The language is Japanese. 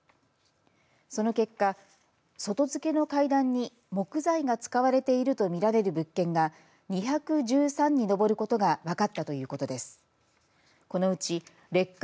その結果、外付けの階段に木材が使われているとみられる物件が２１３に上ることが分かったということです。